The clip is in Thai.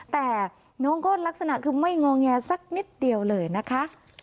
แต่น้องก็ลักษณะคือไม่งอแงสักนิดเดียวเลยนะคะ